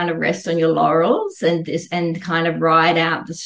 ini sebenarnya waktu yang baik untuk melihat apa jenis perjanjian yang bisa anda dapatkan